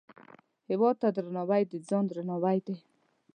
هیواد ته درناوی، د ځان درناوی دی